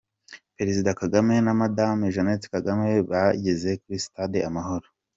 Perezida Kagame na madame Jeanette Kagame bageze kuri Stade amahoro.